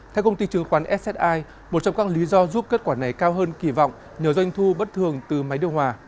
theo công ty chứng khoán ssi một trong các lý do giúp kết quả này cao hơn kỳ vọng nhờ doanh thu bất thường từ máy điều hòa